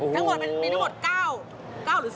ทั้งหมดมีทั้งหมด๙หรือ๑๐รางวัล